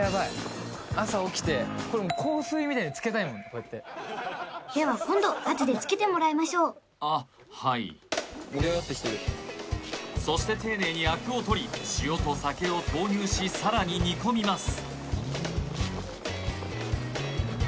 うわっでは今度ガチでつけてもらいましょうあっはいそして丁寧にアクを取り塩と酒を投入しさらに煮込みます